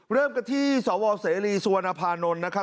เริ่มกันที่สวเสรีสุวรรณภานนท์นะครับ